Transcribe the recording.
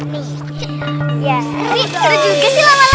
tapi ada juga sih lama lama